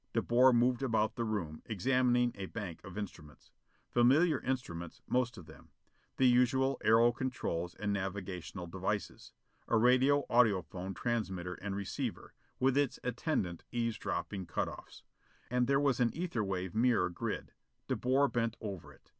De Boer moved about the room, examining a bank of instruments. Familiar instruments, most of them. The usual aero controls and navigational devices. A radio audiphone transmitter and receiver, with its attendant eavesdropping cut offs. And there was an ether wave mirror grid. De Boer bent over it.